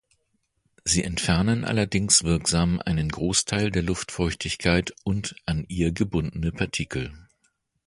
Sie entfernen allerdings wirksam einen Großteil der Luftfeuchtigkeit und an ihr gebundene Partikel.